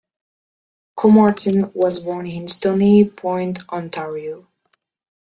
Comartin was born in Stoney Point, Ontario.